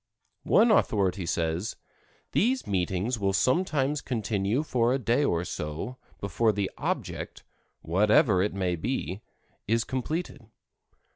One authority says: "These meetings will sometimes continue for a day or so before the object, whatever it may be, is completed.